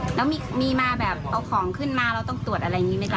แล้วมีมาแบบเอาของขึ้นมาเราต้องตรวจอะไรอย่างนี้ไหมจ๊